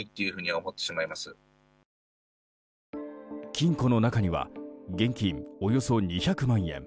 金庫の中には現金およそ２００万円